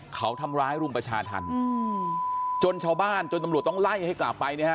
เขาทำร้ายรุมประชาธรรมจนชาวบ้านจนตำรวจต้องไล่ให้กลับไปเนี่ยฮะ